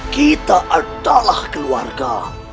kita adalah keluarga